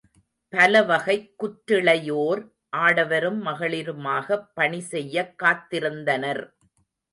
பலவகைக் குற்றிளையோர் ஆடவரும் மகளிருமாகப் பணி செய்யக் காத்திருந்தனர்.